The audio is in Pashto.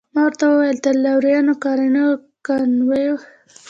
ما ورته وویل تر لویینو، کانیرو، کانوبایو او ترانزانو تیریږئ.